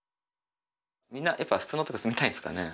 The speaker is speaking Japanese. みんなやっぱ普通のとこに住みたいんですかね？